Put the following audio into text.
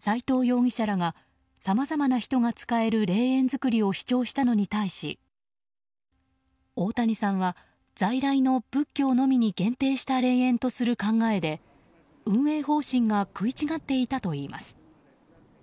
斎藤容疑者らがさまざまな人が使える霊園作りを主張したのに対し大谷さんは、在来の仏教のみに限定した霊園とする考えで運営方針が食い違っていたといいます。